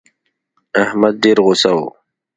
احمد ډېر غوسه و.